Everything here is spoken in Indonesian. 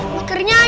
makernya hancur kan